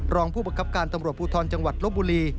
รองผู้บังคับการตำรวจภูทรจังหวัดลบบุรี